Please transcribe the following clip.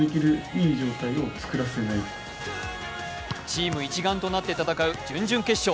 チーム一丸となって戦う準々決勝。